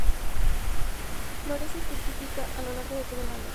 Florece y fructifica a lo largo de todo el año.